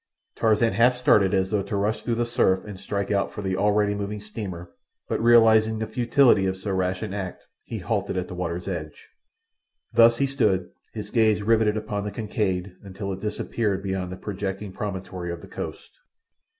Tarzan half started as though to rush through the surf and strike out for the already moving steamer; but realizing the futility of so rash an act he halted at the water's edge. Thus he stood, his gaze riveted upon the Kincaid until it disappeared beyond a projecting promontory of the coast.